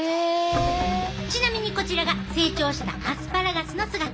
ちなみにこちらが成長したアスパラガスの姿。